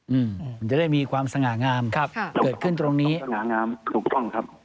อืมมันจะได้มีความสง่างามครับค่ะเกิดขึ้นตรงนี้สง่างามถูกต้องครับ